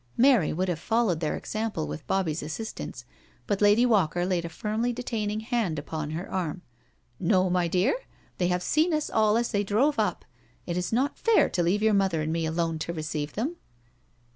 Mary would have followed their example with Bobbie's assistance, but Lady Walker laid a firmly detaining hand upon her arm: " No, my dear, they have seen us all as they drove up. It is not fair to leave your mother and me alone to receive them.'